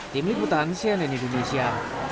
tim liputan cnn indonesia